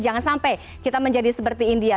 jangan sampai kita menjadi seperti india